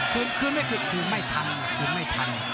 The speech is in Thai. คืนคืนไม่ดึกคืนไม่ทันคืนไม่ทัน